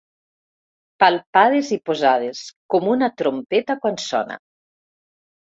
Palpades i posades, com una trompeta quan sona.